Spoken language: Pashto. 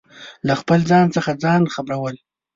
له خپل ځان څخه ځان خبرو ل